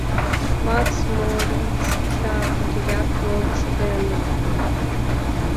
Макс, Моориц да Фогеляк мом шогеныт!